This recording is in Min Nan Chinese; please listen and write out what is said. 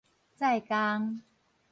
載工